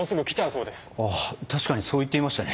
ああ確かにそう言っていましたね。